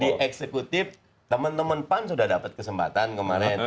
di eksekutif teman teman pan sudah dapat kesempatan kemarin